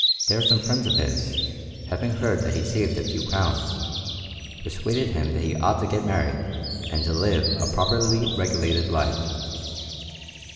There some friends of his, having heard that he had saved a few crowns, persuaded him that he ought to get married and live a properly regulated life.